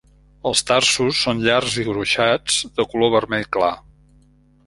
Els tarsos són llargs i gruixats, de color vermell clar.